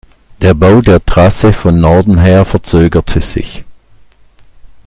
Der Bau der Trasse von Norden her verzögerte sich.